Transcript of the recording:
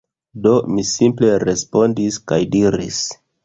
Do, mi simple respondis kaj diris